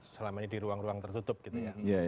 selama ini di ruang ruang tertutup gitu ya